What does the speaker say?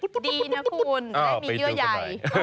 ดีนะคุณได้มีเยื่อใหญ่